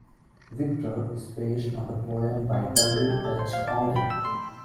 "Victor" is based on the poem by W. H. Auden.